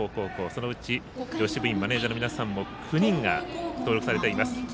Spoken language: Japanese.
そのうち女子部員マネージャーの皆さんも９人が登録されています。